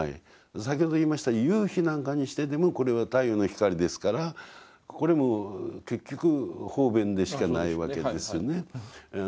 先ほど言いました夕日なんかにしてでもこれは太陽の光ですからこれも結局方便でしかないわけですよね。